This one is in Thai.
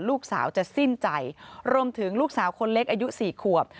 ลูกสาวจะสิ้นใจรวมถึงลูกสาวคนเล็กอายุ๔ขวบ